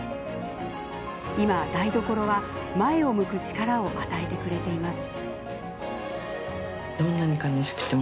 今、台所は前を向く力を与えてくれています。